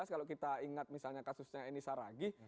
kalau kita ingat misalnya kasusnya eni saragih